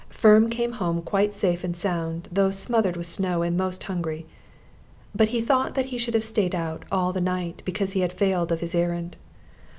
Firm came home quite safe and sound, though smothered with snow and most hungry; but he thought that he should have staid out all the night, because he had failed of his errand.